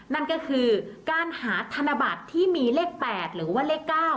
นั่นก็คือการหาธนบัตรที่มีเลข๘หรือว่าเลข๙